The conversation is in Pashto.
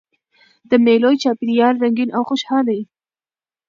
د مېلو چاپېریال رنګین او خوشحاله يي.